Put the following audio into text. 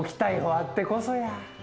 あってこそや。